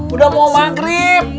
udah mau maghrib